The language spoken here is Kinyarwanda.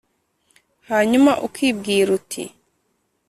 Hanyuma ukibwira uti